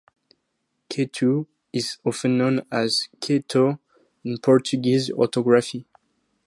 Ketu is often known as Queto in Portuguese orthography.